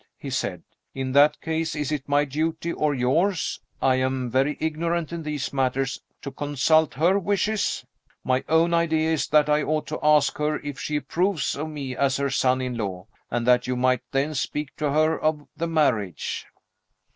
he said. "In that case, is it my duty or yours I am very ignorant in these matters to consult her wishes? My own idea is, that I ought to ask her if she approves of me as her son in law, and that you might then speak to her of the marriage."